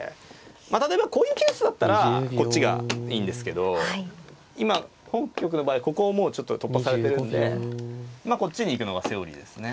まあ例えばこういうケースだったらこっちがいいんですけど今本局の場合ここをもうちょっと突破されてるんでこっちに行くのがセオリーですね。